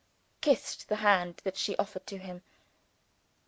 kissed the hand that she offered to him.